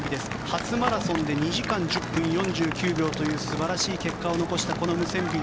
初マラソンで２時間１０分４９秒という素晴らしい結果を残したこのムセンビ。